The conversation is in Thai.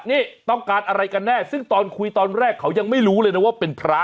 นี่ต้องการอะไรกันแน่ซึ่งตอนคุยตอนแรกเขายังไม่รู้เลยนะว่าเป็นพระ